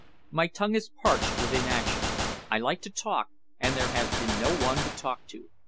My tongue is parched with inaction. I like to talk, and there has been no one to talk to.